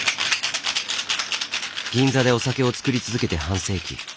銀座でお酒を作り続けて半世紀。